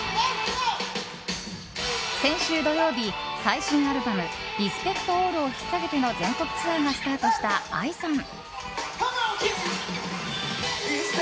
先週土曜日、最新アルバム「ＲＥＳＰＥＣＴＡＬＬ」を引っ提げての全国ツアーがスタートしたＡＩさん。